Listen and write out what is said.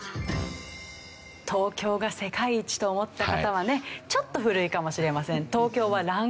東京が世界一と思った方はねちょっと古いかもしれません。